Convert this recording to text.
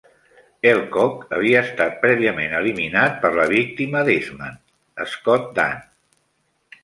Elcock havia estat prèviament eliminat per la víctima d'Eastman, Scott Dann.